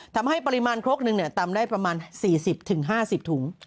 ทำให้ปริมาณครกหนึ่งตำได้ประมาณ๔๐๕๐ถุง